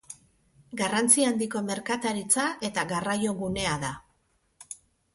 Garrantzi handiko merkataritza eta garraio gunea da.